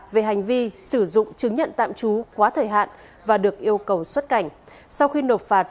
và được gọi vào thành phố hải phòng